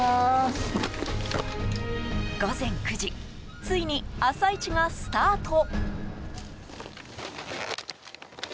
午前９時ついに朝市がスタート。